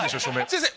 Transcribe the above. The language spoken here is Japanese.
先生